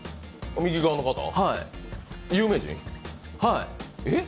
右側の方は。